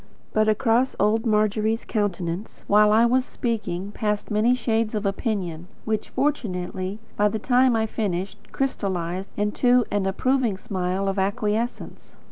But across old Margery's countenance, while I was speaking, passed many shades of opinion, which, fortunately, by the time I had finished, crystallized into an approving smile of acquiescence.